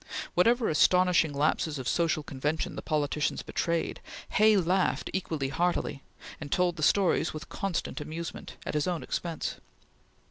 Whatever astonishing lapses of social convention the politicians betrayed, Hay laughed equally heartily, and told the stories with constant amusement, at his own expense.